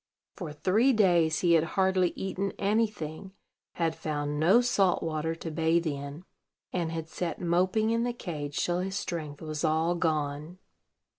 For three days he had hardly eaten any thing, had found no salt water to bathe in, and had sat moping in the cage till his strength was all gone.